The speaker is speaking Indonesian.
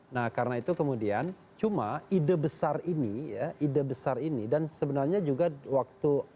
nah karena itu kemudian cuma ide besar ini ya ide besar ini dan sebenarnya juga waktu